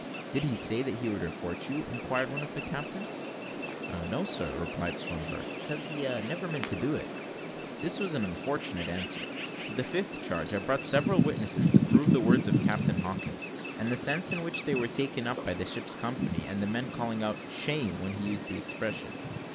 "Did he say that he would report you?" inquired one of the captains. "No, sir," replied Swinburne, "'cause he never meant to do it." This was an unfortunate answer. To the fifth charge, I brought several witnesses to prove the words of Captain Hawkins, and the sense in which they were taken by the ship's company, and the men calling out "Shame!" when he used the expression.